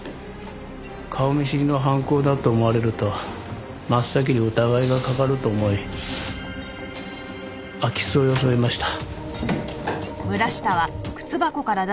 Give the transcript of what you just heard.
顔見知りの犯行だと思われると真っ先に疑いがかかると思い空き巣を装いました。